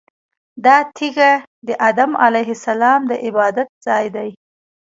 دا تیږه د ادم علیه السلام د عبادت ځای دی.